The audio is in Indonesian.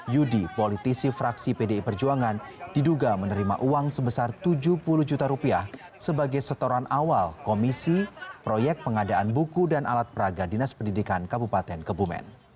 yudi politisi fraksi pdi perjuangan diduga menerima uang sebesar tujuh puluh juta rupiah sebagai setoran awal komisi proyek pengadaan buku dan alat peraga dinas pendidikan kabupaten kebumen